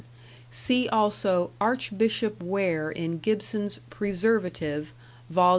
See also Archbishop Ware in Gibson's "Preservative", vol.